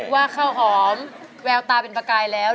ว่าข้าวหอมแววตาเป็นประกายแล้ว